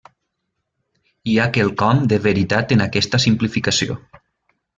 Hi ha quelcom de veritat en aquesta simplificació.